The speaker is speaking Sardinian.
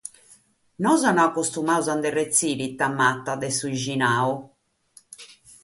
Nois no acostumamus a retzire sa tomata dae su bighinadu.